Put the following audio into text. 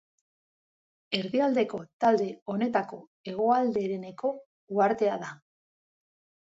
Erdialdeko talde honetako hegoaldereneko uhartea da.